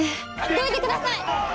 どいてください！